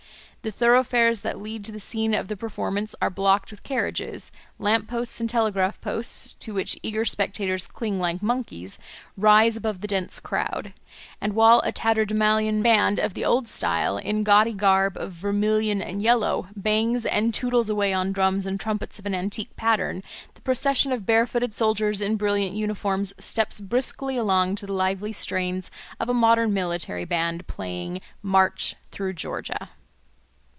The thoroughfares that lead to the scene of the performance are blocked with carriages: lamp posts and telegraph posts, to which eager spectators cling like monkeys, rise above the dense crowd; and, while a tatterdemalion band of the old style, in gaudy garb of vermilion and yellow, bangs and tootles away on drums and trumpets of an antique pattern, the procession of barefooted soldiers in brilliant uniforms steps briskly along to the lively strains of a modern military band playing "Marching through Georgia."